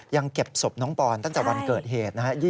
ยังเก็บศพน้องปอนตั้งแต่วันเกิดเหตุนะฮะ